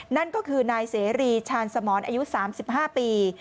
นั่นก็คือนายเสรีชาญสมรอายุ๓๕ปี